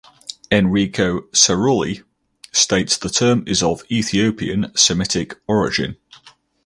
Enrico Cerulli states the term is of Ethiopian Semitic origin.